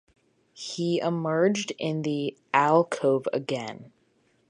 He emerged in the alcove again.